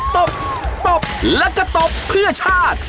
ตบตบแล้วก็ตบเพื่อชาติ